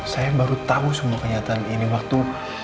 saya baru tahu semua kenyataan ini waktu